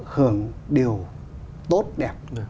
hưởng điều tốt đẹp